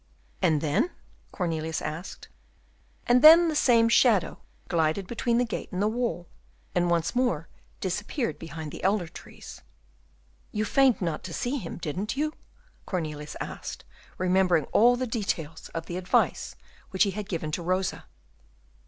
"And then?" Cornelius asked. "And then the same shadow glided between the gate and the wall, and once more disappeared behind the elder trees." "You feigned not to see him, didn't you?" Cornelius asked, remembering all the details of the advice which he had given to Rosa.